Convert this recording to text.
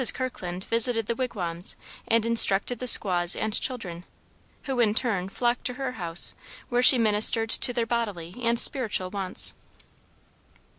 Kirkland visited the wigwams and instructed the squaws and children, who in turn flocked to her house where she ministered to their bodily and spiritual wants.